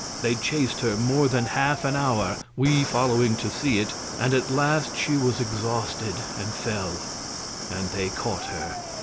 They chased her more than half an hour, we following to see it, and at last she was exhausted and fell, and they caught her.